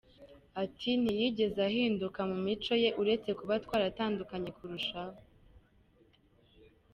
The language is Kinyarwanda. Ati, “ Ntiyigeze ahinduka mu mico ye uretse kuba twarakundanye kurushaho.